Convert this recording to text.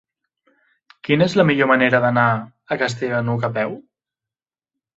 Quina és la millor manera d'anar a Castellar de n'Hug a peu?